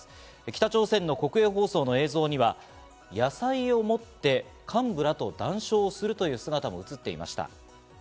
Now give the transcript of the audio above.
北朝鮮の国営放送の映像には野菜を持って幹部らと談笑するという姿も映っていました。